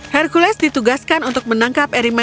hercules ditugaskan untuk menangkap ery